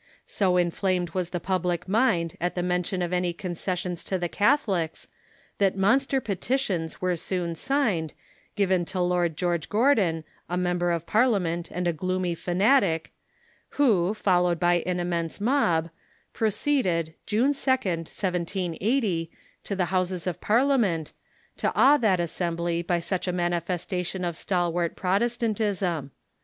So inflamed was the public mind at the mention of any concessions to the Catholics that monster petitions were soon signed, given to Lord George Gordon, a member of Par liament and a gloomy fanatic, who, followed by an immense mob, proceeded (June 2d, 1780) to the Houses of Parliament, to awe that assembly by such a manifestation of stalwart Protestantism.